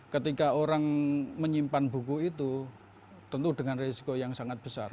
ketika orang menyimpan buku itu tentu dengan risiko yang sangat besar